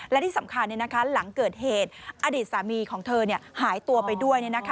และที่สำคัญหลังเกิดเหตุอดีตสามีของเธอหายตัวไปด้วย